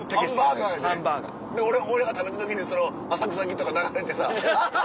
俺らが食べた時に『浅草キッド』が流れてさ。